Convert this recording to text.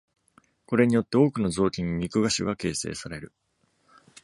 これによって多くの臓器に肉芽腫が形成される。